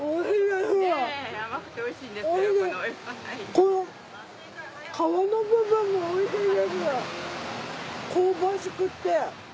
この皮の部分もおいしいです香ばしくて。